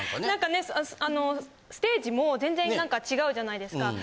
なんかステージも全然何か違うじゃないですか。